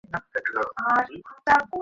উহার মধ্যে কোনরূপ দুঃখের ভাব নাই।